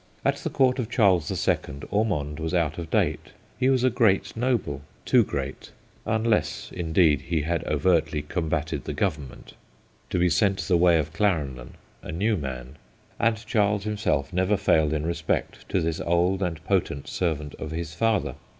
At the Court of Charles the Second Ormonde was out of date. He was a great noble too great, unless indeed he had overtly com bated the Government to be sent the way of Clarendon, a new man ; and Charles himself never failed in respect to this old and potent servant of his father.